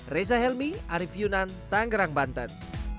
reza helmi arief yunan tanggerang banten